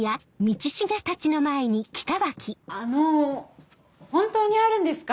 あの本当にあるんですか？